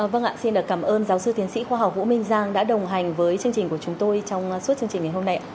vâng ạ xin được cảm ơn giáo sư tiến sĩ khoa học vũ minh giang đã đồng hành với chương trình của chúng tôi trong suốt chương trình ngày hôm nay